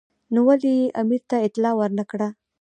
نو ولې یې امیر ته اطلاع ور نه کړه.